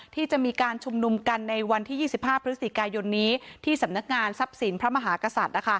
ที่จะมีการชุมนุมกันในวันที่๒๕พฤศจิกายนนี้ที่สำนักงานทรัพย์สินพระมหากษัตริย์